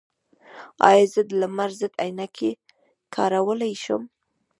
ایا زه د لمر ضد عینکې کارولی شم؟